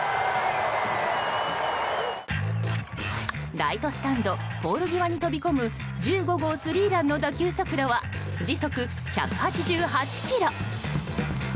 ライトスタンドポール際に飛び込む１５号スリーランの打球速度は時速１８８キロ。